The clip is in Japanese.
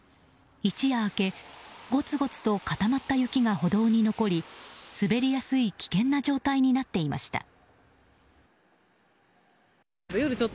一夜明け、ごつごつと固まった雪が歩道に残り滑りやすい危険な状態になっていました。